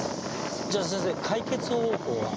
じゃあ先生解決方法は？